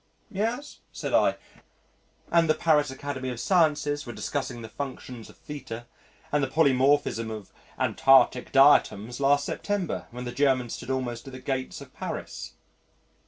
"Yes," said I, "and the Paris Academy of Sciences were discussing the functions of θ and the Polymorphism of Antarctic diatoms last September when the Germans stood almost at the gates of Paris."